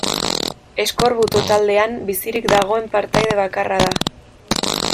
Eskorbuto taldean bizirik dagoen partaide bakarra da.